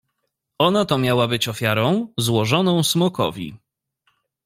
"Ona to miała być ofiarą, złożoną smokowi."